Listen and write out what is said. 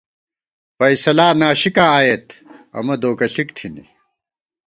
فیصلا ناشِکاں آئېت ، امہ دوکہ ݪِک تھنی